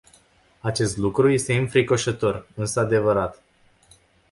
Acest lucru este înfricoșător, însă adevărat.